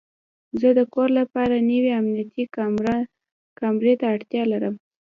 زه د کور لپاره یوې امنیتي کامرې ته اړتیا لرم